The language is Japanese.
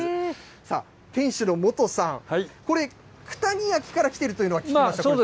さあ、店主の本さん、これ、九谷焼から来てるというのは聞きましたけれ